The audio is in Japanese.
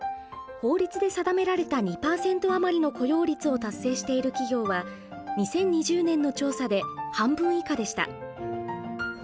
法律で定められた２％余りの雇用率を達成している企業は２０２０年の調査で半分以下でした。